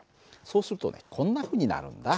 そうするとねこんなふうになるんだ。